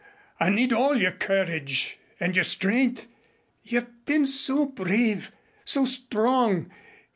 I need all your courage and your strength. You've been so brave so strong.